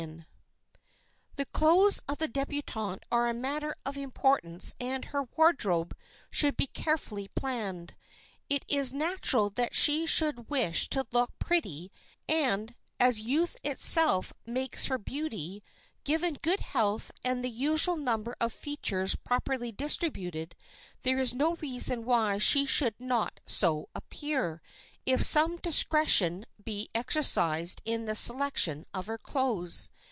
[Sidenote: THE DÉBUTANTE'S WARDROBE] The clothes of the débutante are a matter of importance and her wardrobe should be carefully planned. It is natural that she should wish to look pretty and, as youth itself makes for beauty, given good health and the usual number of features properly distributed, there is no reason why she should not so appear, if some discretion be exercised in the selection of her clothes.